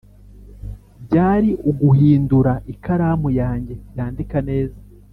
byari uguhindura ikaramu yanjye yandika neza